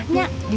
nah ajar madem